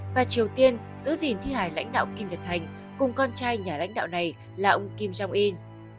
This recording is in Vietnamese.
và triều tiên giữ gìn thi hài lãnh đạo kim nhật thành cùng con trai nhà lãnh đạo này là ông kim jong un